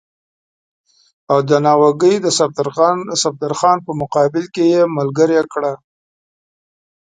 او د ناوګۍ د صفدرخان په مقابل کې یې ملګری کړ.